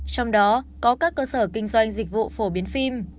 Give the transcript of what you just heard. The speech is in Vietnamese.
trong đó có các cơ sở kinh doanh dịch vụ phổ biến phim